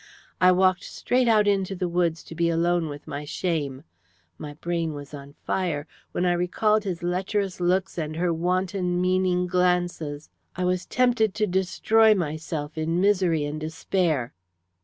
I walked straight out into the woods to be alone with my shame. My brain was on fire. When I recalled his lecherous looks and her wanton meaning glances I was tempted to destroy myself in misery and despair.